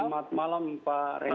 selamat malam pak rezat